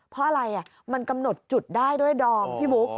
เพราะอะไรมันกำหนดจุดได้ด้วยดอมพี่บุ๊ค